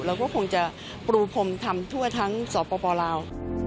เราก็คงจะปูพรมทำทั่วทั้งสปลาว